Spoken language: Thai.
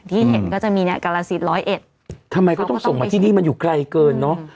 ที่เห็นก็จะมีเนี่ยกรสินร้อยเอ็ดทำไมก็ต้องส่งมาที่นี่มันอยู่ไกลเกินเนอะ